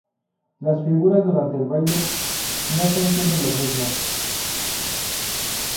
Las figuras durante el baile, no son siempre las mismas.